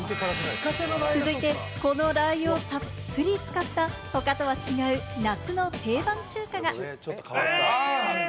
続いて、このラー油をたっぷり使った、他とは違う夏の定番中華が。